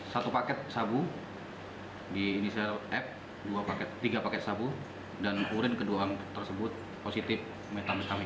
satu paket sabu di inisial f tiga paket sabu dan urin kedua tersebut positif metamustami